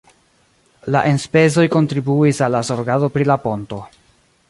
La enspezoj kontribuis al la zorgado pri la ponto.